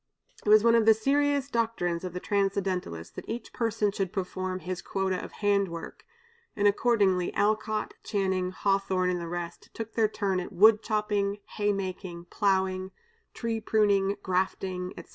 It was one of the serious doctrines of the Transcendentalists that each person should perform his quota of hand work, and accordingly Alcott, Channing, Hawthorne, and the rest, took their turn at wood chopping, hay making, plowing, tree pruning, grafting, etc.